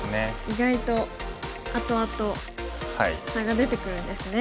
意外と後々差が出てくるんですね。